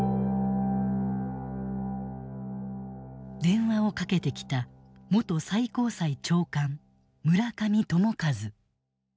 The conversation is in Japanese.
電話をかけてきた元最高裁長官村上朝一。